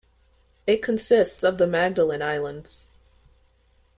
It consists of the Magdalen Islands.